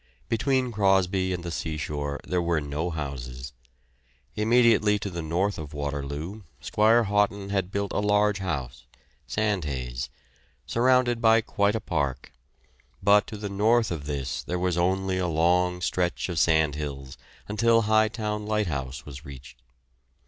Between Crosby and the seashore there were no houses. Immediately to the north of Waterloo, Squire Houghton had built a large house (Sandheys) surrounded by quite a park, but to the north of this there was only a long stretch of sandhills until Hightown Lighthouse was reached.